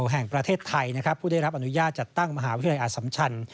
แห่งประเทศไทยนะครับผู้ได้รับอนุญาตจัดตั้งมหาวิทยาลัยอสัมชัน